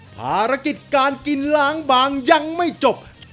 ภารกิจการกินล้างบางยังไม่จบ